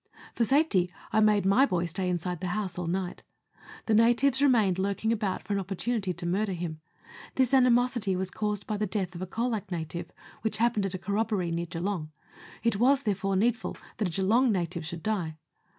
For safety, I made my boy stay inside the house all night. The natives remained lurking about for an opportunity to murder him. This animosity was caused by the death of a Colac native, which happened at a corrobboree near Geelong ; it was, therefore, needful that a Geelong native should die.